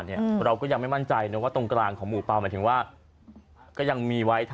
แต่ลูกนี้แล้วยังรักยังรูแลใช่ไหม